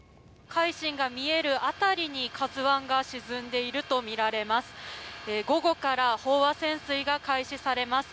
「海進」が見える辺りに「ＫＡＺＵ１」が沈んでいるとみられます。